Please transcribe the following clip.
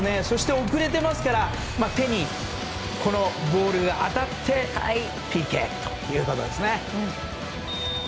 そして遅れていますから手にボールが当たってＰＫということですね。